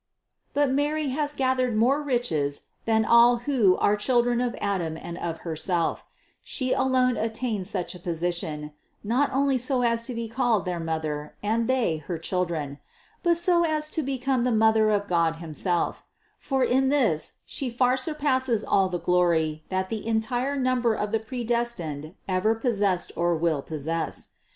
But Mary has gathered more riches than all who are children of Adam and of Herself; She alone attained such a position, not only so as to be called their Mother, and they, her children ; but so as to become the Mother of God himself ; for in this She far surpasses all the glory that the entire number of the predestined ever possessed or will possess.